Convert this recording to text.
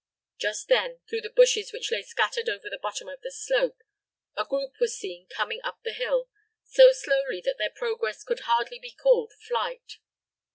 Just then, through the bushes which lay scattered over the bottom of the slope, a group was seen coming up the hill, so slowly that their progress could hardly be called flight.